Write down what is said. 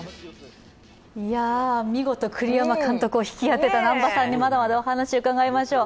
見事、栗山監督を引き当てた南波さんにお話を伺いましょう。